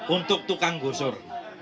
untuk tukang gusur